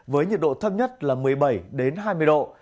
với nhiệt độ thấp nhất là một mươi bảy hai mươi độ